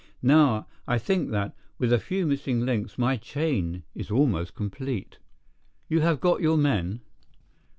Now, I think that, with a few missing links, my chain is almost complete." "You have got your men?"